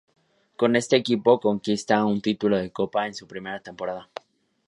Con este equipo conquista un título de Copa en su primera temporada.